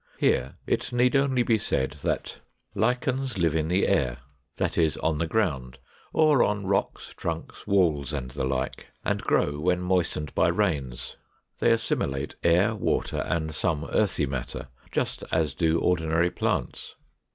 Here, it need only be said that 505. Lichens live in the air, that is, on the ground, or on rocks, trunks, walls, and the like, and grow when moistened by rains. They assimilate air, water, and some earthy matter, just as do ordinary plants.